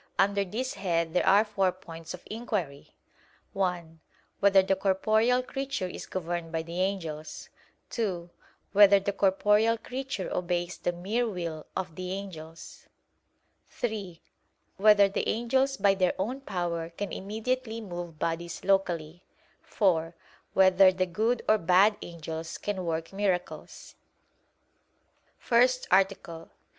Under this head there are four points of inquiry: (1) Whether the corporeal creature is governed by the angels? (2) Whether the corporeal creature obeys the mere will of the angels? (3) Whether the angels by their own power can immediately move bodies locally? (4) Whether the good or bad angels can work miracles? _______________________ FIRST ARTICLE [I, Q.